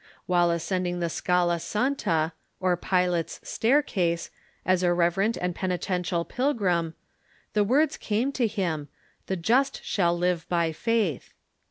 While ascending the Scala Santa, or Pilate's Staircase, as a reverent and penitential pilgrim, the words came to him, " The just shall live by faith."